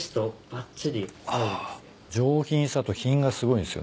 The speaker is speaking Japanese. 上品さと品がすごいんすよ。